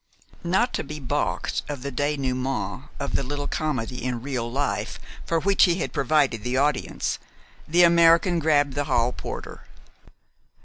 Not to be balked of the dénouement of the little comedy in real life for which he had provided the audience, the American grabbed the hall porter.